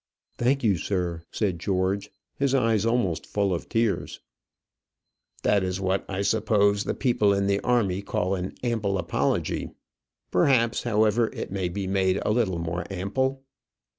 "Thank you, sir," said George, his eyes almost full of tears. "That is what I suppose the people in the army call an ample apology. Perhaps, however, it may be made a little more ample."